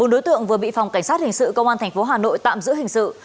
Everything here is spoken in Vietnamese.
bốn đối tượng vừa bị phòng cảnh sát hình sự công an tp hà nội tạm giữ hình sự